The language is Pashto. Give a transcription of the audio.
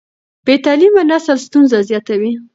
بې تعليمه نسل ستونزې زیاتوي.